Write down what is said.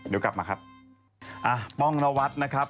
เดี๋ยวกลับมาครับ